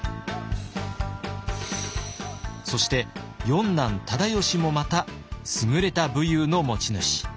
そして四男忠吉もまた優れた武勇の持ち主。